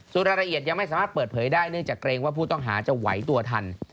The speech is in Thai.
ส่วนรายละเอียดยังไม่สามารถเปิดเผยได้เนื่องจากเกรงว่าผู้ต้องหาจะไหวตัวทัน